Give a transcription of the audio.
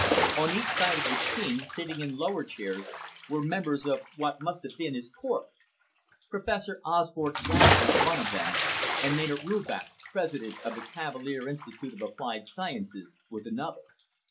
On each side of the king, sitting in lower chairs, were members of what must have been his court. Professor Osbert Garet was one of them, and Maynard Rubach, president of the Cavalier Institute of Applied Sciences, was another.